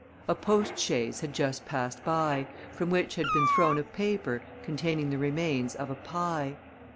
A postchaise had just passed by, from which had been thrown a paper, containing the remains of a pie.